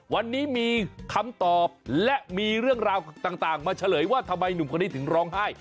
วันนี้มีคำตอบและมีเรื่องราวต่างมาเฉลยว่าทำไมหนุ่มคนนี้ถึงร้องไห้